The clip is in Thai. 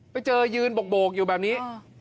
ไปเจอยืนโบกอยู่แบบนี้